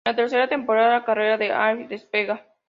En la tercera temporada, la carrera de Ally despega.